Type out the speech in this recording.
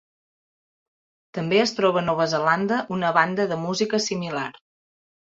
També es troba a Nova Zelanda una banda de música similar.